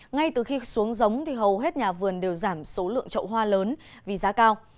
ngay từ khi xuống giống hầu hết nhà vườn đều giảm số lượng trậu hoa lớn vì giá cao